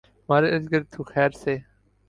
ہمارے اردگرد تو خیر سے